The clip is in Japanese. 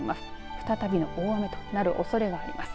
再びの大雨となるおそれがあります。